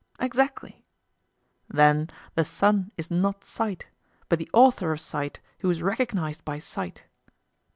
Exactly. Then the sun is not sight, but the author of sight who is recognised by sight?